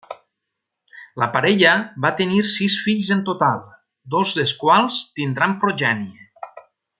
La parella va tenir sis fills en total, dos dels quals tindran progènie.